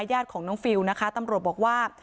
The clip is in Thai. ญาติของน้องฟิลนะคะตำรวจบอกว่า